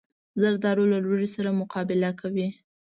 زردالو له لوږې سره مقابله کوي.